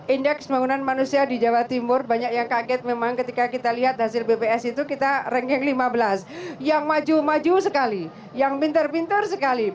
indeks bangunan manusia di jawa timur banyak yang kaget memang ketika kita lihat hasil bps itu kita